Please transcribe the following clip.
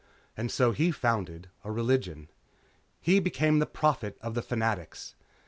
And so he founded a religion. He became the Prophet of the Fanatics.